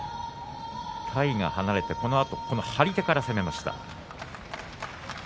体が離れてそのあと張り手から攻めました。